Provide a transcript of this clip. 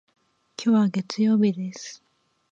今日は月曜日です。